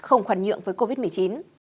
không khoản nhượng với covid một mươi chín